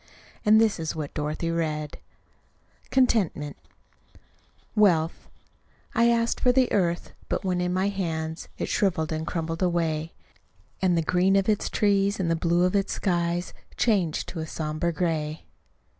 And this is what Dorothy read: CONTENTMENT Wealth I asked for the earth but when in my hands It shriveled and crumbled away; And the green of its trees and the blue of its skies Changed to a somber gray.